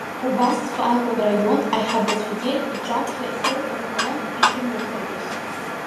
Убасҵәҟьа акәын араион аиҳабацәагьы иҿаԥхьа рхы ларҟәны ишымҩаԥыргоз.